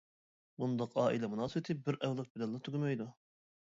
بۇنداق ئائىلە مۇناسىۋىتى بىر ئەۋلاد بىلەنلا تۈگىمەيدۇ.